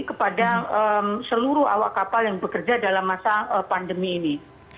kepada seluruh awak kapal yang bekerja dalam masa pandemi ini